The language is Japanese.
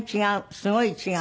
すごい違う。